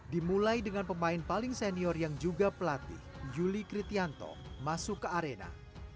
dimulai dengan pemain paling senior yang juga pelatih yuli kritianto masuk ke arena